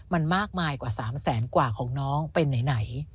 มันมากมายกว่า๓แสนกว่าของน้องเป็นไหน